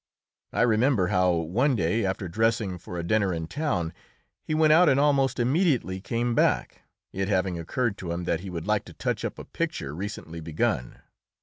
I remember how, one day, after dressing for a dinner in town, he went out and almost immediately came back, it having occurred to him that he would like to touch up a picture recently begun.